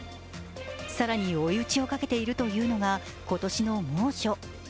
更に追い打ちをかけているというのが今年の猛暑。